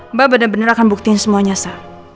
mbak bener bener akan buktiin semuanya